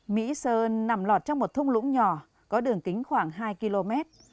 mỹ sơn nằm lọt trong một thung lũng nhỏ có đường kính khoảng hai km